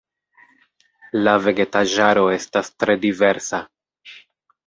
La vegetaĵaro estas tre diversa.